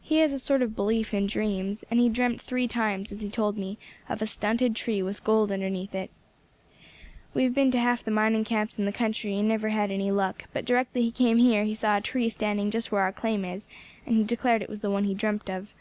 "He has a sort of belief in dreams, and he dreamt three times, as he told me, of a stunted tree with gold underneath it. We have been to half the mining camps in the country, and never had any luck; but directly he came here he saw a tree standing just where our claim is, and he declared it was the one he dreamt of.